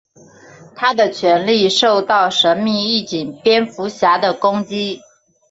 他的权力受到神秘义警蝙蝠侠的攻击。